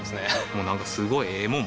もうなんかすごいええもん